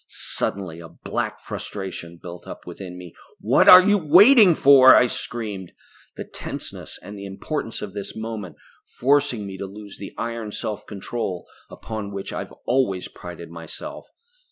Suddenly a black frustration built up within me. "What are you waiting for?" I screamed, the tenseness, and the importance of this moment forcing me to lose the iron self control upon which I have always prided myself.